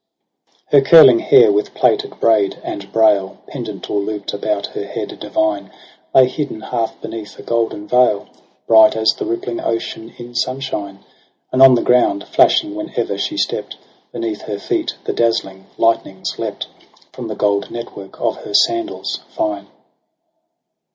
Her curling hair with plaited braid and brail. Pendant or loop'd about her head divine. Lay hidden half beneath a golden veil, Bright as the rippling ocean in sunshine : And on the ground, flashing whene'er she stept. Beneath her feet the dazzling lightnings lept From the gold network of her sandals fine.